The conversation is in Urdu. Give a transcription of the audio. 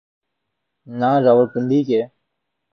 نہ راولپنڈی کے۔